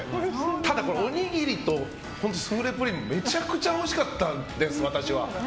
ただ、おにぎりとスフレ・プリンめちゃくちゃおいしかったです私は。